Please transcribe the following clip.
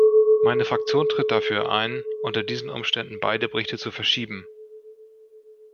Meine Fraktion tritt dafür ein, unter diesen Umständen beide Berichte zu verschieben.